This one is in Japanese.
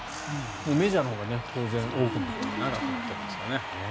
メジャーのほうが当然多くなっていると。